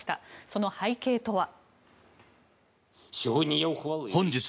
その背景とは。